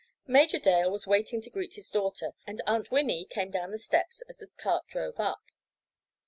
Major Dale was waiting to greet his daughter, and Aunt Winnie came down the steps as the cart drove up.